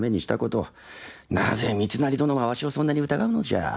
なぜ三成殿はわしをそんなに疑うのじゃ。